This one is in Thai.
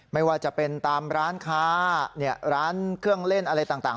ไม่ว่าจะเป็นตามร้านค้าร้านเครื่องเล่นอะไรต่าง